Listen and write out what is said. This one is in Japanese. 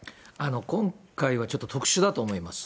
今回はちょっと特殊だと思います。